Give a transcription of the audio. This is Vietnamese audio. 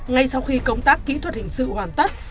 ngay sau khi công tác kỹ thuật hình sự hoàn tất